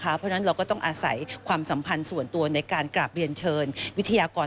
เพราะฉะนั้นเราก็ต้องอาศัยความสัมพันธ์ส่วนตัวในการกราบเรียนเชิญวิทยากร